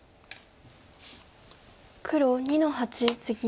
黒２の八ツギ。